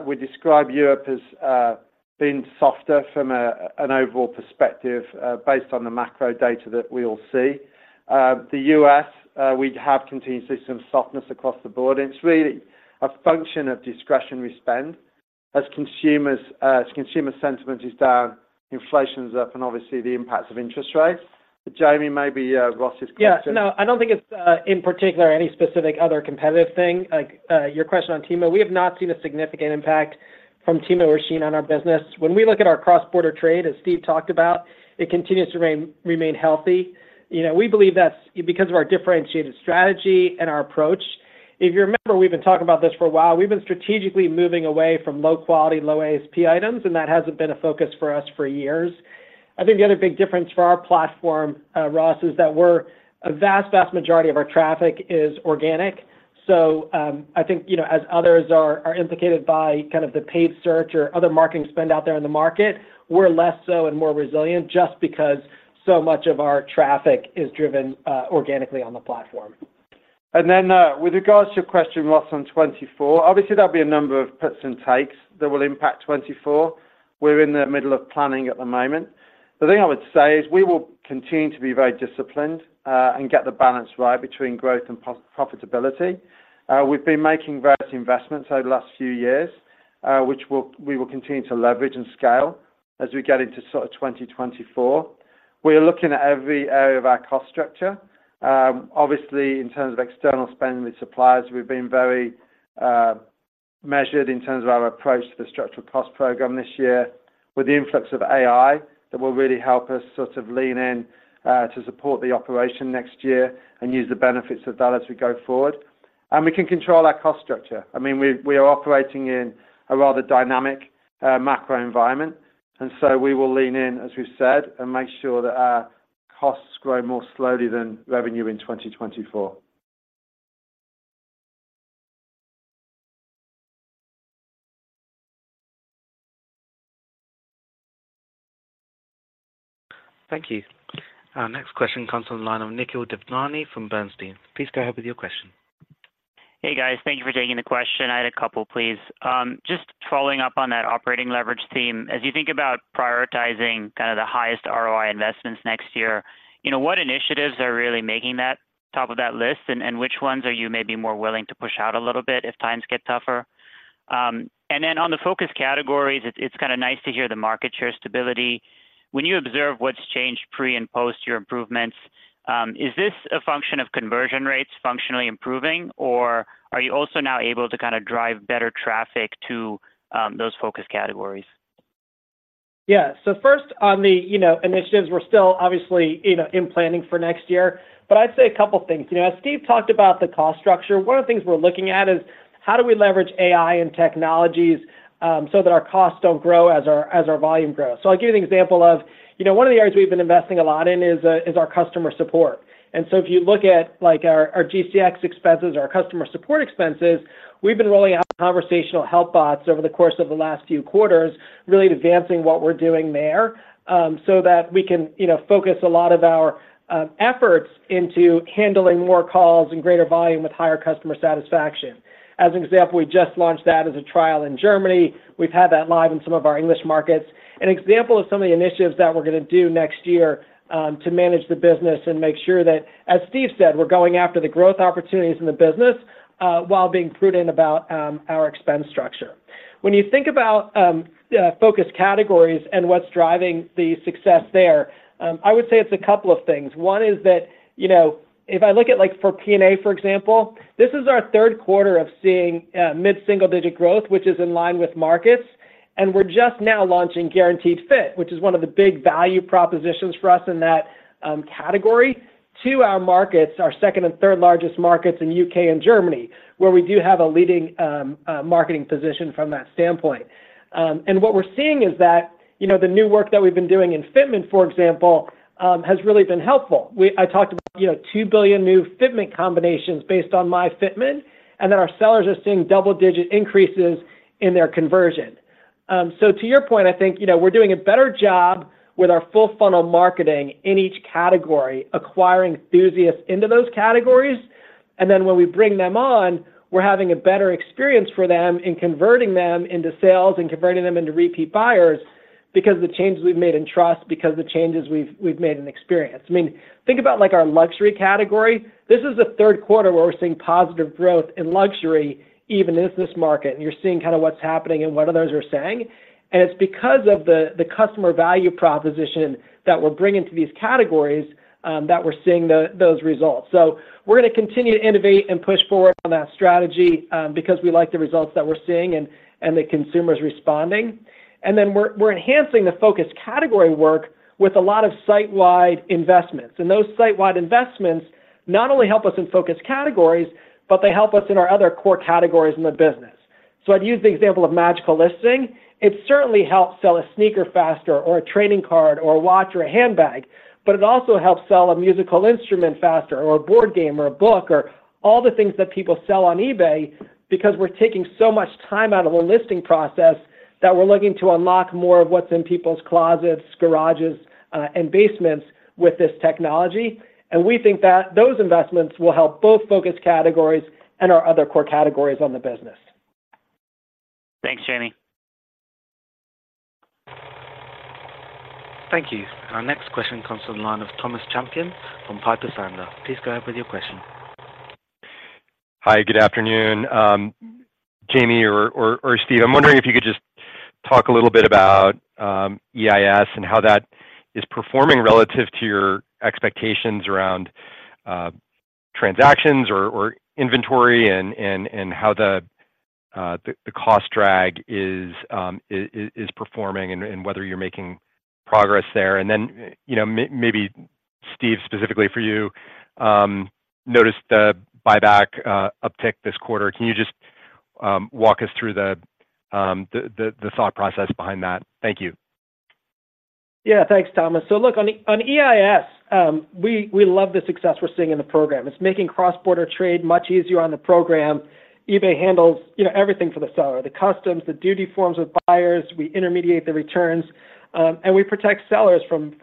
We describe Europe as being softer from an overall perspective, based on the macro data that we all see. The U.S., we have continued to see some softness across the board, and it's really a function of discretionary spend as consumers, as consumer sentiment is down, inflation's up, and obviously, the impacts of interest rates. Jamie, maybe Ross's question. Yeah. No, I don't think it's, in particular, any specific other competitive thing. Like, your question on Temu, we have not seen a significant impact from Temu or SHEIN on our business. When we look at our cross-border trade, as Steve talked about, it continues to remain healthy. You know, we believe that's because of our differentiated strategy and our approach. If you remember, we've been talking about this for a while. We've been strategically moving away from low-quality, low-ASP items, and that hasn't been a focus for us for years. I think the other big difference for our platform, Ross, is that we're a vast, vast majority of our traffic is organic. So, I think, you know, as others are implicated by kind of the paid search or other marketing spend out there in the market, we're less so and more resilient just because so much of our traffic is driven organically on the platform. With regard to your question, Ross, on 2024, obviously, there'll be a number of puts and takes that will impact 2024. We're in the middle of planning at the moment. The thing I would say is we will continue to be very disciplined, and get the balance right between growth and profitability. We've been making various investments over the last few years, which we will continue to leverage and scale as we get into sort of 2024. We are looking at every area of our cost structure. Obviously, in terms of external spending with suppliers, we've been very measured in terms of our approach to the structural cost program this year. With the influx of AI, that will really help us sort of lean in to support the operation next year and use the benefits of that as we go forward. And we can control our cost structure. I mean, we are operating in a rather dynamic macro environment, and so we will lean in, as we've said, and make sure that our costs grow more slowly than revenue in 2024. Thank you. Our next question comes on the line of Nikhil Devnani from Bernstein. Please go ahead with your question. Hey, guys. Thank you for taking the question. I had a couple, please. Just following up on that operating leverage theme. As you think about prioritizing kind of the highest ROI investments next year, you know, what initiatives are really making that top of that list, and which ones are you maybe more willing to push out a little bit as times get tougher? And then on the Focus Categories, it's kind of nice to hear the market share stability. When you observe what's changed pre and post your improvements, is this a function of conversion rates functionally improving, or are you also now able to kind of drive better traffic to those Focus Categories? Yeah. So first on the, you know, initiatives, we're still obviously, you know, in planning for next year, but I'd say a couple of things. You know, as Steve talked about the cost structure, one of the things we're looking at is how do we leverage AI and technologies, so that our costs don't grow as our, as our volume grows? So I'll give you an example of, you know, one of the areas we've been investing a lot in is our customer support. And so if you look at, like, our, our GCX expenses, our customer support expenses, we've been rolling out conversational help bots over the course of the last few quarters, really advancing what we're doing there, so that we can, you know, focus a lot of our efforts into handling more calls and greater volume with higher customer satisfaction. As an example, we just launched that as a trial in Germany. We've had that live in some of our English markets. An example of some of the initiatives that we're going to do next year to manage the business and make sure that, as Steve said, we're going after the growth opportunities in the business while being prudent about our expense structure. When you think about focus categories and what's driving the success there, I would say it's a couple of things. One is that, you know, if I look at, like, for P&A, for example, this is our third quarter of seeing mid-single-digit growth, which is in line with markets, and we're just now launching Guaranteed Fit, which is one of the big value propositions for us in that category. Two, our markets, our second and third largest markets in U.K. and Germany, where we do have a leading marketing position from that standpoint. And what we're seeing is that, you know, the new work that we've been doing in fitment, for example, has really been helpful. I talked about, you know, 2 billion new fitment combinations based on myFitment, and then our sellers are seeing double-digit increases in their conversion. So to your point, I think, you know, we're doing a better job with our full-funnel marketing in each category, acquiring enthusiasts into those categories, and then when we bring them on, we're having a better experience for them in converting them into sales and converting them into repeat buyers because the changes we've made in trust, because the changes we've made in experience. I mean, think about, like, our luxury category. This is the third quarter where we're seeing positive growth in luxury, even in this market. You're seeing kind of what's happening and what others are saying, and it's because of the customer value proposition that we're bringing to these categories, that we're seeing those results. So we're going to continue to innovate and push forward on that strategy, because we like the results that we're seeing and the consumers responding. And then we're enhancing the Focus Categories work with a lot of site-wide investments. And those site-wide investments not only help us in Focus Categories, but they help us in our other core categories in the business. So I'd use the example of magical listing. It certainly helps sell a sneaker faster or a trading card or a watch or a handbag, but it also helps sell a musical instrument faster or a board game or a book or all the things that people sell on eBay, because we're taking so much time out of the listing process that we're looking to unlock more of what's in people's closets, garages, and basements with this technology. And we think that those investments will help both focus categories and our other core categories on the business. Thanks, Jamie. Thank you. Our next question comes from the line of Thomas Champion from Piper Sandler. Please go ahead with your question. Hi, good afternoon. Jamie or Steve, I'm wondering if you could just talk a little bit about EIS and how that is performing relative to your expectations around transactions or inventory and how the cost drag is performing and whether you're making progress there. And then, you know, maybe Steve, specifically for you, noticed the buyback uptick this quarter. Can you just walk us through the thought process behind that? Thank you. Yeah, thanks, Thomas. So look, on EIS, we love the success we're seeing in the program. It's making cross-border trade much easier on the program. eBay handles, you know, everything for the seller, the customs, the duty forms with buyers. We intermediate the returns, and we protect sellers from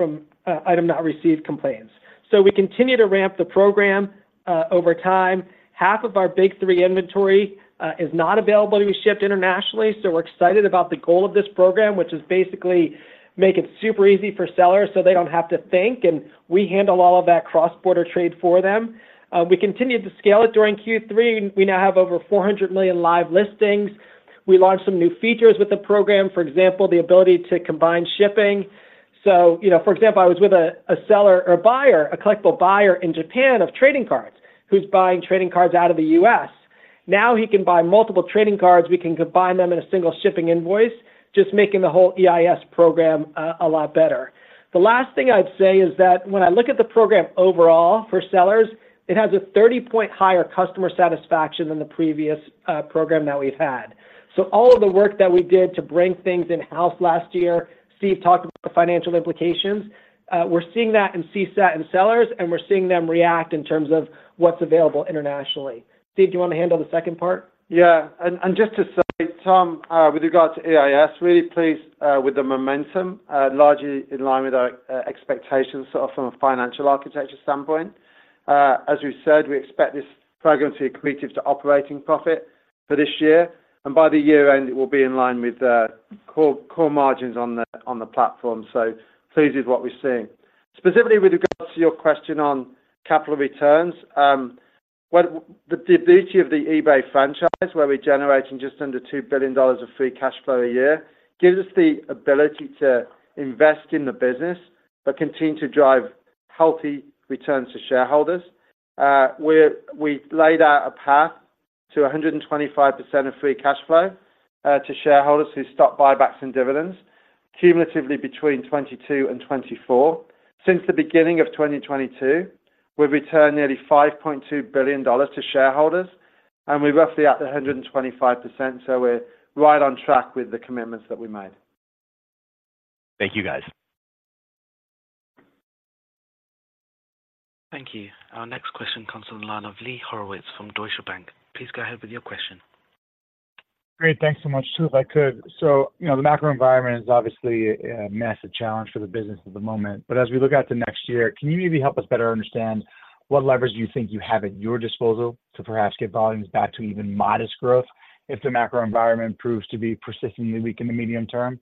item not received complaints. So we continue to ramp the program over time. Half of our big three inventory is not available to be shipped internationally, so we're excited about the goal of this program, which is basically make it super easy for sellers so they don't have to think, and we handle all of that cross-border trade for them. We continued to scale it during Q3, and we now have over 400 million live listings. We launched some new features with the program, for example, the ability to combine shipping. So, you know, for example, I was with a, a seller or buyer, a collectible buyer in Japan of trading cards, who's buying trading cards out of the U.S. Now he can buy multiple trading cards. We can combine them in a single shipping invoice, just making the whole EIS program a lot better. The last thing I'd say is that when I look at the program overall for sellers, it has a 30-point higher customer satisfaction than the previous program that we've had. So all of the work that we did to bring things in-house last year, Steve talked about the financial implications. We're seeing that in CSAT and sellers, and we're seeing them react in terms of what's available internationally. Steve, do you want to handle the second part? Yeah. And, and just to say, Tom, with regards to EIS, really pleased with the momentum, largely in line with our expectations sort of from a financial architecture standpoint. As we've said, we expect this program to be accretive to operating profit for this year, and by the year end, it will be in line with the core margins on the platform. So pleased with what we're seeing. Specifically with regards to your question on capital returns, well, the beauty of the eBay franchise, where we're generating just under $2 billion of free cash flow a year, gives us the ability to invest in the business but continue to drive healthy returns to shareholders. We've laid out a path to 125% of free cash flow to shareholders through stock buybacks and dividends, cumulatively between 2022 and 2024. Since the beginning of 2022, we've returned nearly $5.2 billion to shareholders, and we're roughly at 125%, so we're right on track with the commitments that we made. Thank you, guys. Thank you. Our next question comes from the line of Lee Horowitz from Deutsche Bank. Please go ahead with your question. Great. Thanks so much. So, you know, the macro environment is obviously a massive challenge for the business at the moment. But as we look out to next year, can you maybe help us better understand what levers you think you have at your disposal to perhaps get volumes back to even modest growth if the macro environment proves to be persistently weak in the medium term?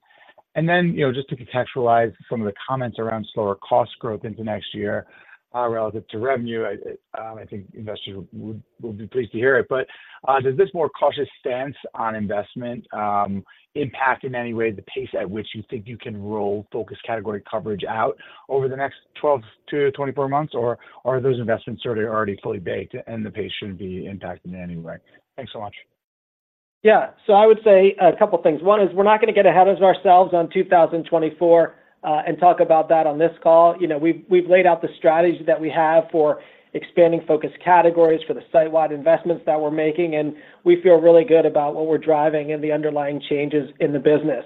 And then, you know, just to contextualize some of the comments around slower cost growth into next year, relative to revenue, I think investors would be pleased to hear it. But, does this more cautious stance on investment impact in any way the pace at which you think you can roll focus category coverage out over the next 12–24 months? Or are those investments sort of already fully baked and the pace shouldn't be impacted in any way? Thanks so much. Yeah. So I would say a couple of things. One is we're not going to get ahead of ourselves on 2024, and talk about that on this call. You know, we've laid out the strategy that we have for expanding focus categories for the site-wide investments that we're making, and we feel really good about what we're driving and the underlying changes in the business.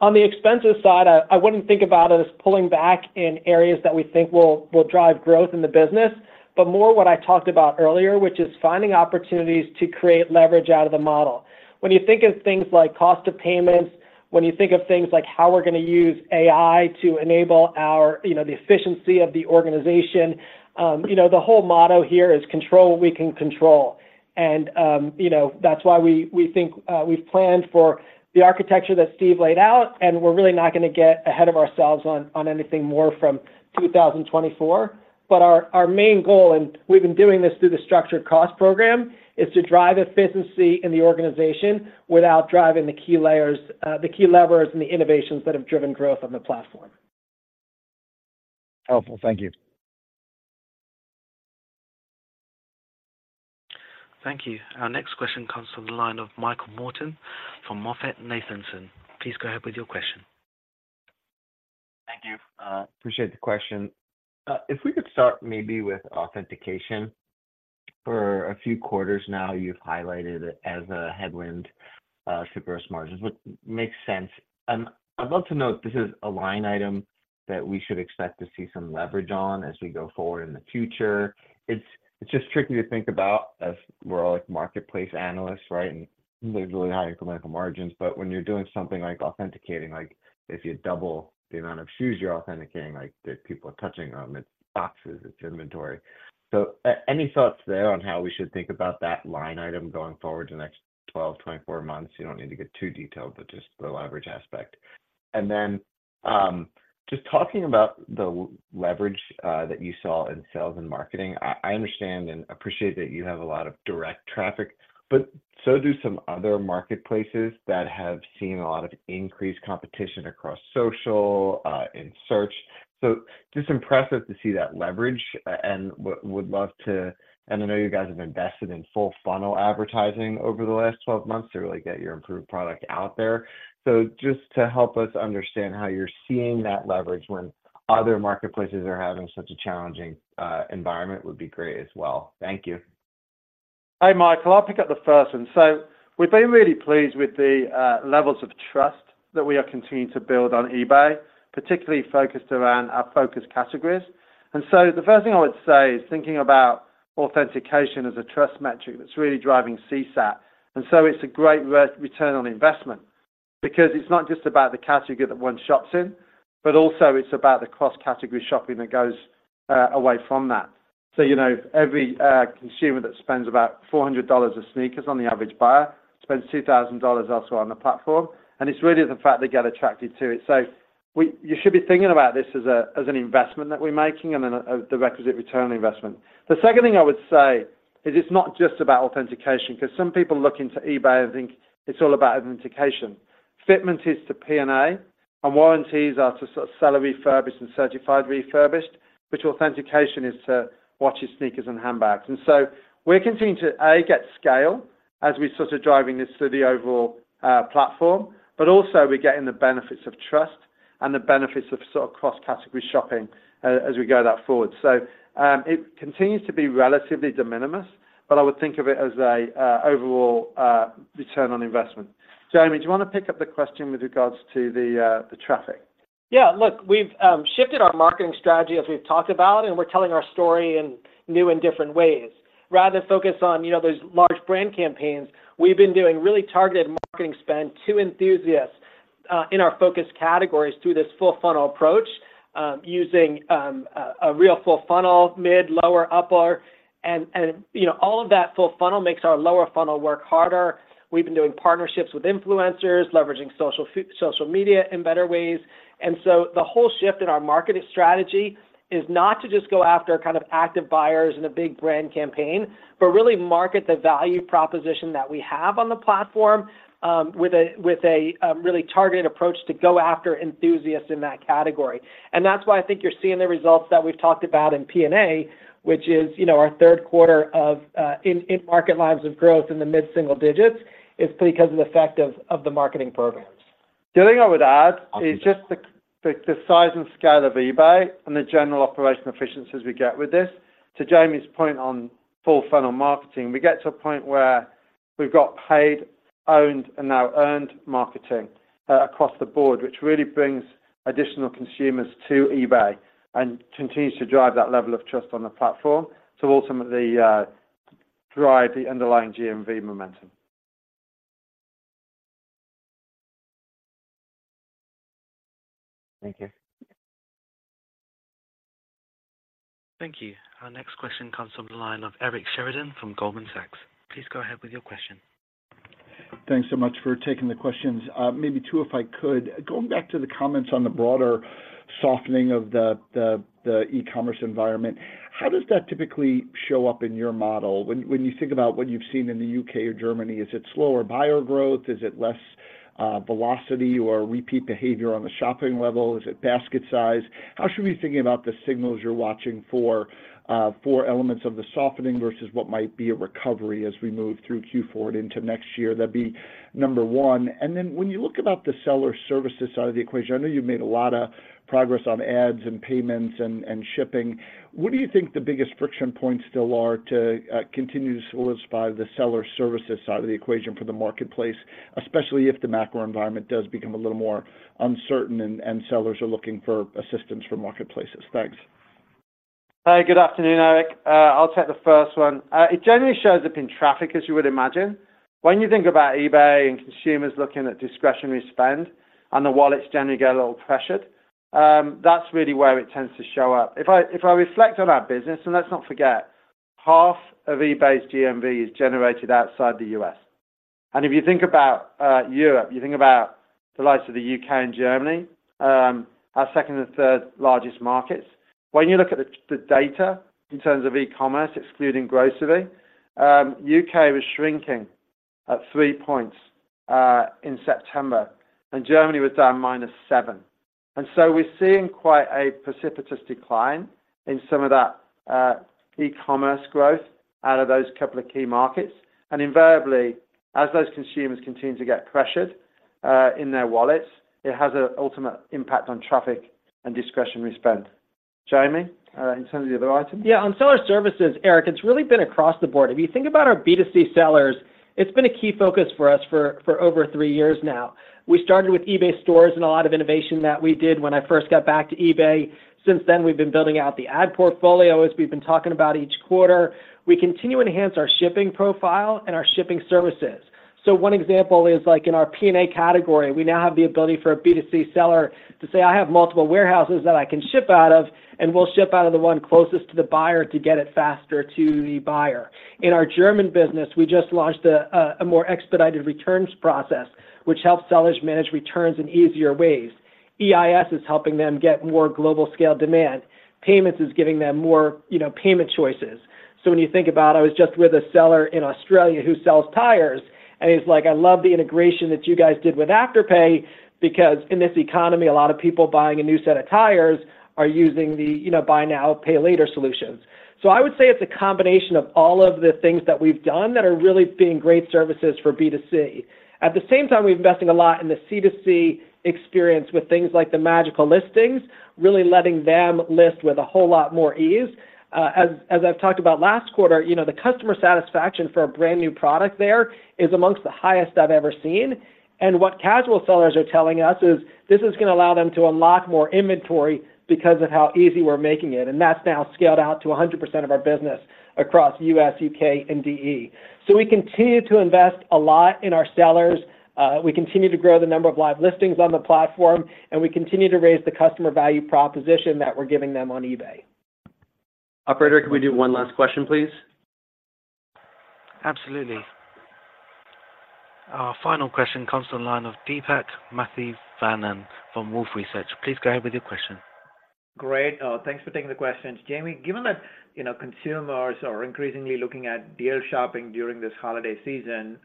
On the expense side, I wouldn't think about it as pulling back in areas that we think will drive growth in the business, but more what I talked about earlier, which is finding opportunities to create leverage out of the model. When you think of things like cost of payments, when you think of things like how we're going to use AI to enable our, you know, the efficiency of the organization, you know, the whole motto here is control what we can control. And, you know, that's why we, we think, we've planned for the architecture that Steve laid out, and we're really not going to get ahead of ourselves on, on anything more from 2024. But our, our main goal, and we've been doing this through the structured cost program, is to drive efficiency in the organization without driving the key layers, the key levers and the innovations that have driven growth on the platform. Helpful. Thank you. Thank you. Our next question comes from the line of Michael Morton from MoffettNathanson. Please go ahead with your question. Thank you. Appreciate the question. If we could start maybe with authentication. For a few quarters now, you've highlighted it as a headwind to gross margins, which makes sense. I'd love to know if this is a line item that we should expect to see some leverage on as we go forward in the future. It's, it's just tricky to think about as we're all, like, marketplace analysts, right? And there's really high incremental margins. But when you're doing something like authenticating, like if you double the amount of shoes you're authenticating, like, that people are touching them, it's boxes, it's inventory. So any thoughts there on how we should think about that line item going forward the next 12, 24 months? You don't need to get too detailed, but just the leverage aspect. And then, just talking about the leverage that you saw in sales and marketing. I understand and appreciate that you have a lot of direct traffic, but so do some other marketplaces that have seen a lot of increased competition across social, in search. So just impressive to see that leverage, and would love to, and I know you guys have invested in full funnel advertising over the last 12 months to really get your improved product out there. So just to help us understand how you're seeing that leverage when other marketplaces are having such a challenging environment, would be great as well. Thank you. Hi, Michael. I'll pick up the first one. So we've been really pleased with the levels of trust that we are continuing to build on eBay, particularly focused around our focus categories. And so the first thing I would say is thinking about authentication as a trust metric that's really driving CSAT. And so it's a great return on investment because it's not just about the category that one shops in, but also it's about the cross-category shopping that goes away from that. So, you know, every consumer that spends about $400 of sneakers on the average buyer, spends $2,000 also on the platform, and it's really the fact they get attracted to it. So you should be thinking about this as a, as an investment that we're making and then the requisite return on investment. The second thing I would say is it's not just about authentication, because some people look into eBay and think it's all about authentication. Fitment is to P&A, and warranties are to seller refurbished and certified refurbished, which authentication is to watches, sneakers, and handbags. And so we're continuing to, A, get scale as we're sort of driving this through the overall platform, but also we're getting the benefits of trust and the benefits of sort of cross-category shopping as we go that forward. So, it continues to be relatively de minimis, but I would think of it as an overall return on investment. Jamie, do you want to pick up the question with regards to the traffic? Yeah. Look, we've shifted our marketing strategy, as we've talked about, and we're telling our story in new and different ways. Rather than focus on, you know, those large brand campaigns, we've been doing really targeted marketing spend to enthusiasts, in our Focus Categories through this full-funnel approach, using a real full funnel, mid, lower, upper. And, you know, all of that full funnel makes our lower funnel work harder. We've been doing partnerships with influencers, leveraging social media in better ways. And so the whole shift in our marketing strategy is not to just go after kind of Active Buyers in a big brand campaign, but really market the value proposition that we have on the platform, with a really targeted approach to go after enthusiasts in that category. That's why I think you're seeing the results that we've talked about in P&A, which is, you know, our third quarter of in-market lines of growth in the mid single digits, is because of the effect of the marketing programs. The other thing I would add is just the size and scale of eBay and the general operational efficiencies we get with this. To Jamie's point on full-funnel marketing, we get to a point where we've got paid, owned, and now earned marketing across the board, which really brings additional consumers to eBay and continues to drive that level of trust on the platform, to ultimately drive the underlying GMV momentum. Thank you.... Thank you. Our next question comes from the line of Eric Sheridan from Goldman Sachs. Please go ahead with your question. Thanks so much for taking the questions. Maybe two, if I could. Going back to the comments on the broader softening of the e-commerce environment, how does that typically show up in your model? When you think about what you've seen in the U.K. or Germany, is it slower buyer growth? Is it less velocity or repeat behavior on the shopping level? Is it basket size? How should we be thinking about the signals you're watching for elements of the softening versus what might be a recovery as we move through Q4 into next year? That'd be number one. And then when you look about the seller services side of the equation, I know you've made a lot of progress on ads and payments and shipping. What do you think the biggest friction points still are to, continue to solidify the seller services side of the equation for the marketplace, especially if the macro environment does become a little more uncertain and, and sellers are looking for assistance from marketplaces? Thanks. Hi, good afternoon, Eric. I'll take the first one. It generally shows up in traffic, as you would imagine. When you think about eBay and consumers looking at discretionary spend, and the wallets generally get a little pressured, that's really where it tends to show up. If I, if I reflect on our business, and let's not forget, half of eBay's GMV is generated outside the U.S. And if you think about Europe, you think about the likes of the U.K. and Germany, our second and third largest markets. When you look at the data in terms of e-commerce, excluding grocery, U.K. was shrinking at 3 points in September, and Germany was down -7. And so we're seeing quite a precipitous decline in some of that e-commerce growth out of those couple of key markets. Invariably, as those consumers continue to get pressured, in their wallets, it has an ultimate impact on traffic and discretionary spend. Jamie, in terms of the other items? Yeah, on seller services, Eric, it's really been across the board. If you think about our B2C sellers, it's been a key focus for us for, for over three years now. We started with eBay Stores and a lot of innovation that we did when I first got back to eBay. Since then, we've been building out the ad portfolio, as we've been talking about each quarter. We continue to enhance our shipping profile and our shipping services. So one example is, like in our P&A category, we now have the ability for a B2C seller to say, "I have multiple warehouses that I can ship out of," and we'll ship out of the one closest to the buyer to get it faster to the buyer. In our German business, we just launched a, a more expedited returns process, which helps sellers manage returns in easier ways. EIS is helping them get more global scale demand. Payments is giving them more, you know, payment choices. So when you think about... I was just with a seller in Australia who sells tires, and he's like, "I love the integration that you guys did with Afterpay, because in this economy, a lot of people buying a new set of tires are using the, you know, buy now, pay later solutions." So I would say it's a combination of all of the things that we've done that are really being great services for B2C. At the same time, we're investing a lot in the C2C experience with things like the magical listings, really letting them list with a whole lot more ease. As I've talked about last quarter, you know, the customer satisfaction for a brand-new product there is amongst the highest I've ever seen. What casual sellers are telling us is, this is going to allow them to unlock more inventory because of how easy we're making it, and that's now scaled out to 100% of our business across U.S., U.K., and DE. So we continue to invest a lot in our sellers, we continue to grow the number of live listings on the platform, and we continue to raise the customer value proposition that we're giving them on eBay. Operator, can we do one last question, please? Absolutely. Our final question comes to the line of Deepak Mathivanan from Wolfe Research. Please go ahead with your question. Great. Thanks for taking the questions. Jamie, given that, you know, consumers are increasingly looking at deal shopping during this holiday season,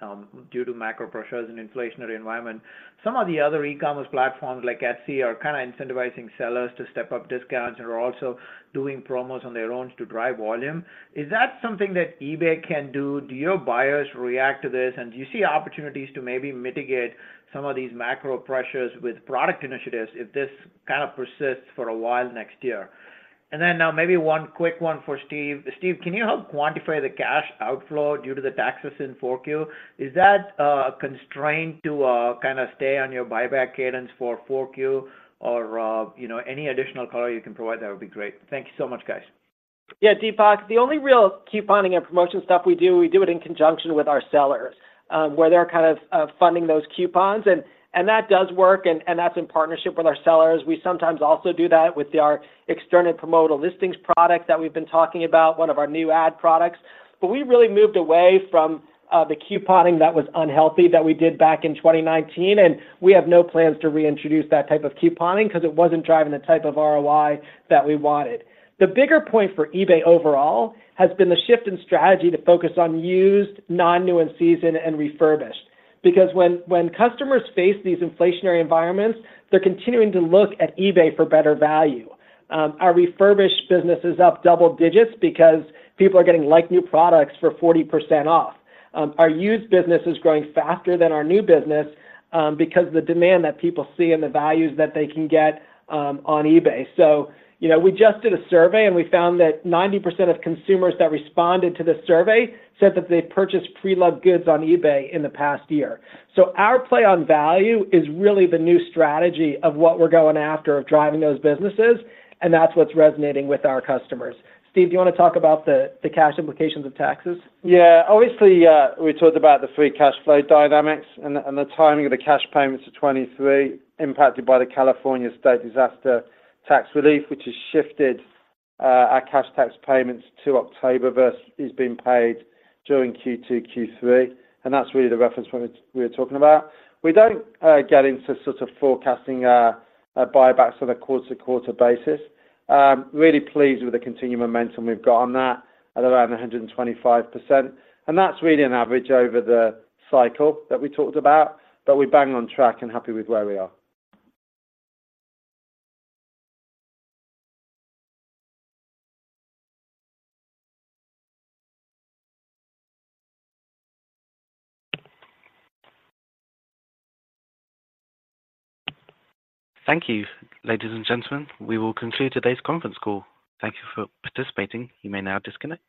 due to macro pressures and inflationary environment, some of the other e-commerce platforms like Etsy are kind of incentivizing sellers to step up discounts and are also doing promos on their own to drive volume. Is that something that eBay can do? Do your buyers react to this? And do you see opportunities to maybe mitigate some of these macro pressures with product initiatives if this kind of persists for a while next year? And then now maybe one quick one for Steve. Steve, can you help quantify the cash outflow due to the taxes in 4Q? Is that constrained to kind of stay on your buyback cadence for 4Q, or you know, any additional color you can provide, that would be great? Thank you so much, guys. Yeah, Deepak, the only real couponing and promotion stuff we do, we do it in conjunction with our sellers, where they're kind of funding those coupons, and that does work, and that's in partnership with our sellers. We sometimes also do that with our external promotional listings product that we've been talking about, one of our new ad products. But we really moved away from the couponing that was unhealthy that we did back in 2019, and we have no plans to reintroduce that type of couponing because it wasn't driving the type of ROI that we wanted. The bigger point for eBay overall has been the shift in strategy to focus on used, non-new and seasoned and refurbished. Because when customers face these inflationary environments, they're continuing to look at eBay for better value. Our refurbished business is up double digits because people are getting like-new products for 40% off. Our used business is growing faster than our new business, because the demand that people see and the values that they can get, on eBay. So you know, we just did a survey, and we found that 90% of consumers that responded to the survey said that they purchased pre-loved goods on eBay in the past year. So our play on value is really the new strategy of what we're going after of driving those businesses, and that's what's resonating with our customers. Steve, do you want to talk about the, the cash implications of taxes? Yeah. Obviously, we talked about the free cash flow dynamics and the timing of the cash payments to 2023, impacted by the California state disaster tax relief, which has shifted our cash tax payments to October versus is being paid during Q2, Q3, and that's really the reference point we're talking about. We don't get into sort of forecasting buybacks on a quarter-to-quarter basis. Really pleased with the continuing momentum we've got on that at around 125%, and that's really an average over the cycle that we talked about, but we're bang on track and happy with where we are. Thank you, ladies and gentlemen. We will conclude today's conference call. Thank you for participating. You may now disconnect.